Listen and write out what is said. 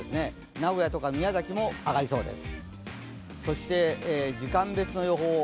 名古屋とか宮崎も上がりそうです。